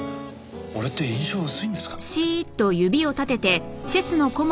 俺って印象薄いんですか？